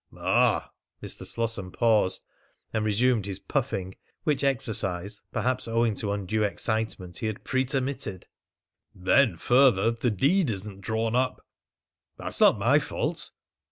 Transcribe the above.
"Ah!" Mr. Slosson paused, and resumed his puffing, which exercise perhaps owing to undue excitement he had pretermitted. "Then further, the deed isn't drawn up." "That's not my fault."